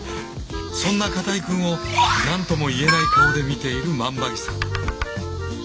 そんな片居くんを何とも言えない顔で見ている万場木さん。